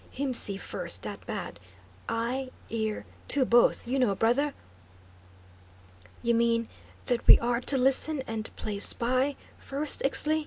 Him see first, dat bad! Eye, ear, two both. You know, brother?" "You mean that we are to listen and play spy, first, Ixtli?"